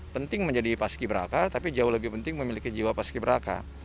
penting menjadi paski beraka tapi jauh lebih penting memiliki jiwa paski beraka